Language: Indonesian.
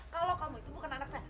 kalau kamu itu bukan anak saya